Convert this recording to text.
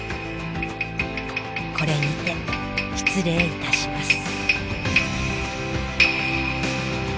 これにて失礼いたします。